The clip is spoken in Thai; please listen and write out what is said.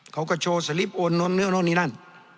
เขาก็โชว์สลิปโอน้นนี่นั่น